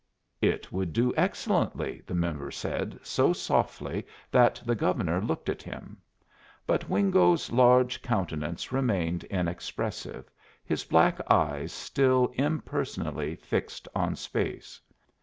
It would do excellently, the member said, so softly that the Governor looked at him. But Wingo's large countenance remained inexpressive, his black eyes still impersonally fixed on space.